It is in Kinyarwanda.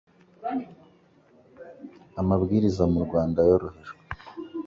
Amabwiriza mu Rwanda yorohejwe,